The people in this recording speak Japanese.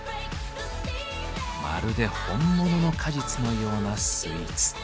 まるで本物の果実のようなスイーツ。